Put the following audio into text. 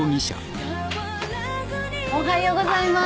おはようございます。